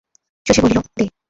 শশী বলিল, দে।